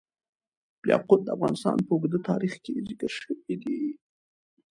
یاقوت د افغانستان په اوږده تاریخ کې ذکر شوی دی.